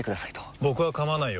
僕は構わないよ。